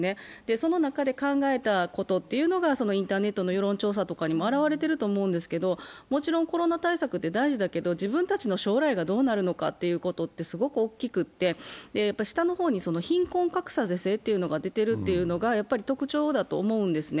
その中で考えたことというのがインターネットの世論調査にも現れていると思うんですけど、もちろんコロナ対策って大事だけど自分たちの将来がどうなるのかということって、すごく大きくて、下の方に貧困格差是正が出ているというのが特徴だと思うんですね。